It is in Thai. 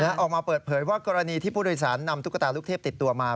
ออกมาเปิดเผยว่ากรณีที่ผู้โดยสารนำตุ๊กตาลูกเทพติดตัวมา